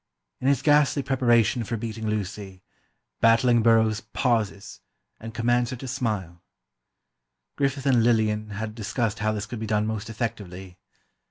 In his ghastly preparation for beating Lucy, Battling Burrows pauses, and commands her to smile. Griffith and Lillian had discussed how this could be done most effectively.